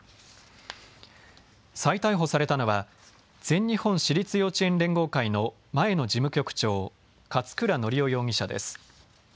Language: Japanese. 再逮捕されたのは全日本私立幼稚園連合会の前の事務局長、勝倉教雄容疑者です。